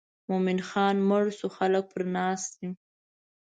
مومن خان مړ شو خلک پر ناست دي.